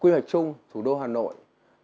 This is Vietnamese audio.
quy hoạch chung thủ đô hà nội